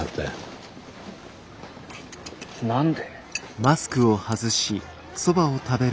何で。